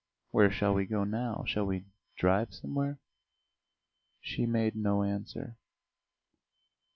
"Where shall we go now? Shall we drive somewhere?" She made no answer.